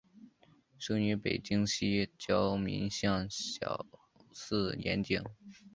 生于北京西郊民巷小四眼井。